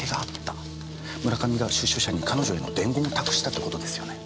村上が出所者に彼女への伝言を託したってことですよね。